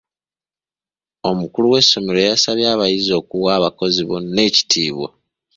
Omukulu w'essomero yasabye abayizi okuwa abakozi bonna ekitiibwa.